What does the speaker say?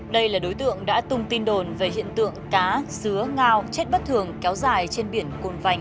đây là đối tượng đã tung tin đồn về hiện tượng cá dứa ngao chết bất thường kéo dài trên biển cồn vành